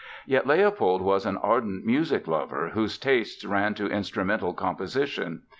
Yet Leopold was an ardent music lover, whose tastes ran to instrumental composition.